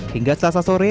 hingga setelah sasore